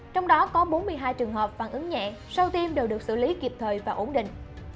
trong đó có bốn mươi hai trường hợp phản ứng nhẹ sau tiêm đều được xử lý kịp thời và ổn định